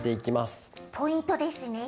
ポイントですね。